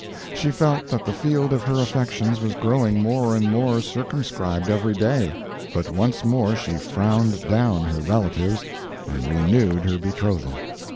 She felt that the field of her affections was growing more and more circumscribed every day, but once more she frowned down her relatives and renewed her betrothal.